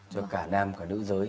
cho cả nam cả nữ giới